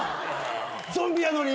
ゾンビやのに？